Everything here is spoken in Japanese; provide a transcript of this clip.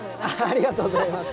ありがとうございます。